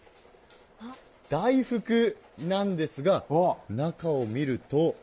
大福なんですが、中を見ると。